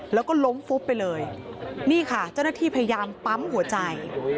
แล้วก็ล้มฟุบไปเลยนี่ค่ะเจ้าหน้าที่พยายามปั๊มหัวใจ